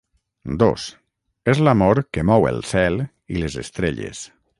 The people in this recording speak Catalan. Dos-És l’amor que mou el cel i les estrelles.